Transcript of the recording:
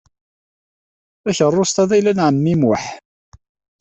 Takeṛṛust-a d ayla n ɛemmi Muḥ.